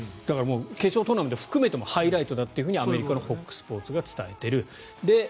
決勝トーナメント含めてもハイライトだと、アメリカのＦＯＸスポーツが伝えている。